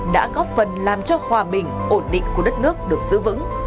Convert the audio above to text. đã góp phần làm cho hòa bình ổn định của đất nước được giữ vững